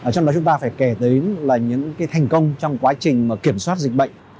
trong đó chúng ta phải kể đến là những cái thành công trong quá trình kiểm soát dịch bệnh